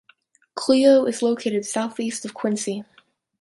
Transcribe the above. Clio is located southeast of Quincy.